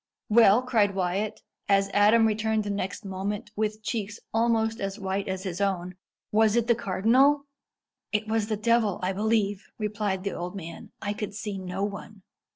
"Well!" cried Wyat, as Adam returned the next moment, with cheeks almost as white as his own "was it the cardinal?" "It was the devil, I believe!" replied the old man. "I could see no one."